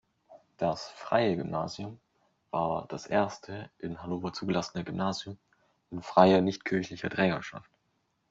Das Freie Gymnasium war das erste in Hannover zugelassene Gymnasium in freier, nicht-kirchlicher Trägerschaft.